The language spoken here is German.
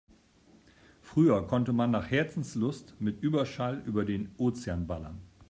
Früher konnte man nach Herzenslust mit Überschall über den Ozean ballern.